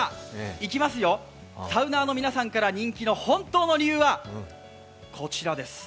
いきますよ、サウナーの皆さんから人気の本当の理由はこちらです。